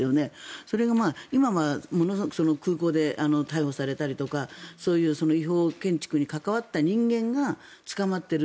それが今空港で逮捕されたりだとかそういう違法建築に関わった人間が捕まっている。